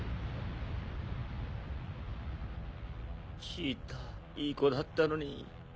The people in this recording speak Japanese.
シータいい子だったのに。